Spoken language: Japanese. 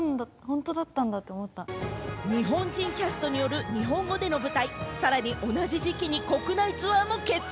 日本人キャストによる日本語での舞台、さらに同じ時期に国内ツアーも決定。